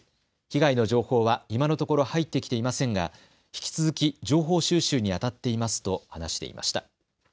被害の情報は今のところ入ってきていませんが引き続き情報収集にあたっていますと話していました。